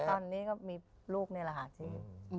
ตอนนี้ก็มีลูกในรหาสิทธิ์